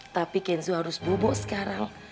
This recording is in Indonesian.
tapi kenzo harus bobo sekarang